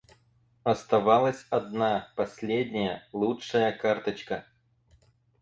Оставалась одна, последняя, лучшая карточка.